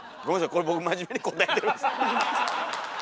これ僕真面目に答えてるんです。